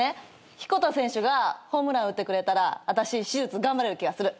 ヒコタ選手がホームラン打ってくれたら私手術頑張れる気がする。